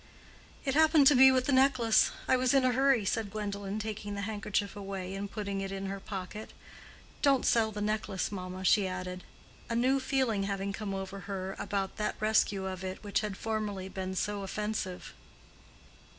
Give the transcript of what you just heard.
"It happened to be with the necklace—I was in a hurry," said Gwendolen, taking the handkerchief away and putting it in her pocket. "Don't sell the necklace, mamma," she added, a new feeling having come over her about that rescue of it which had formerly been so offensive.